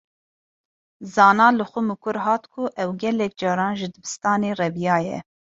Zana li xwe mikur hat ku ew gelek caran ji dibistanê reviyaye.